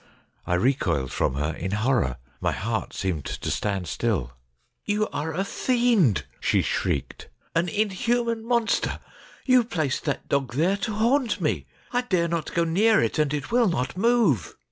I recoiled from her in horror. My heart seemed to stand still. ' You are a fiend !' she shrieked, ' an inhuman monster ! You placed that dog there to haunt me. I dare not go near it, and it will not move.